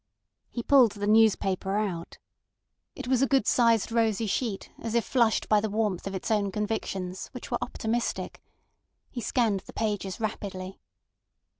He pulled the newspaper out. It was a good sized rosy sheet, as if flushed by the warmth of its own convictions, which were optimistic. He scanned the pages rapidly.